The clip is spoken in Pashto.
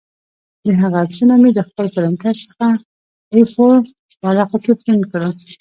د هغه عکسونه مې د خپل پرنټر څخه اې فور ورقو کې پرنټ کړل